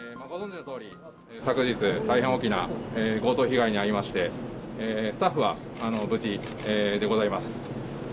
昨日、大変大きな強盗被害に遭いまして、スタッフは無事でございます。